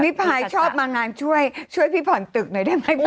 พายชอบมางานช่วยช่วยพี่ผ่อนตึกหน่อยได้ไหม